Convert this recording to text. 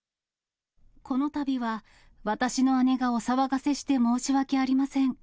このたびは私の姉がお騒がせして申し訳ありません。